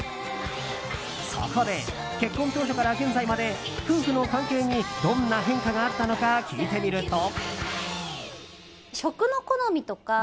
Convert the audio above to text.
そこで、結婚当初から現在まで夫婦の関係にどんな変化があったのか聞いてみると。